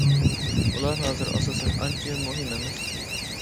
ئۇلار ھازىر ئاساسەن ئانچە مۇھىم ئەمەس.